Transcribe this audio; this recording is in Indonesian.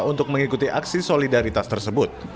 untuk mengikuti aksi solidaritas tersebut